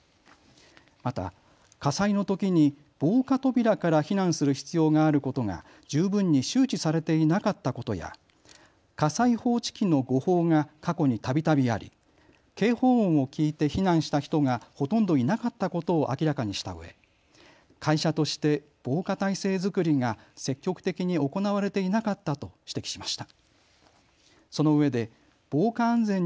また火災のときに防火扉から避難する必要があることが十分に周知されていなかったことや火災報知器の誤報が過去にたびたびあり警報音を聞いて避難した人がほとんどいなかったことを明らかにしたうえ会社として防火態勢作りが積極的に行われていなかったと指摘しました。